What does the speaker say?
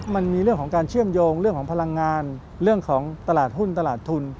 มันมีเรื่องของการเชื่อมโยงเรื่องของพลังงานเรื่องของตลาดหุ้นตลาดทุน